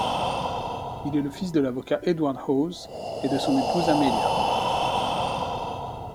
Il est le fils de l'avocat Edward Hawes et de son épouse Amelia.